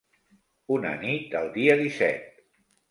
Una nit el dia disset.